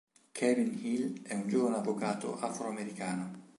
Kevin Hill è un giovane avvocato afroamericano.